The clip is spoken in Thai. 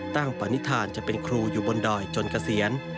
ตั้งประนิษฐานจะเป็นครูอยู่บนดอยจนเกษียณ